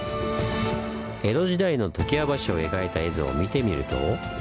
江戸時代の常盤橋を描いた絵図を見てみると。